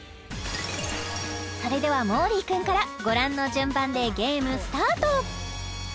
それではもーりー君からご覧の順番でゲームスタート！